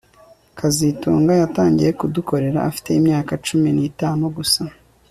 kazitunga yatangiye kudukorera afite imyaka cumi nitatu gusa